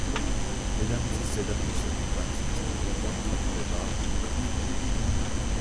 დედამიწის ზედაპირზე ვულკანიზმის ტიპური გამოხატულებაა ვულკანები.